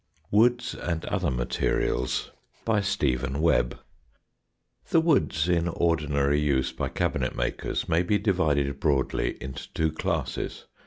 WOODS AND OTHER MATERIALS The woods in ordinary use by cabinetmakers may be divided broadly into two classes, viz.